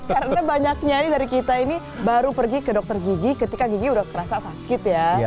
karena banyak nyari dari kita ini baru pergi ke dokter gigi ketika gigi udah kerasa sakit ya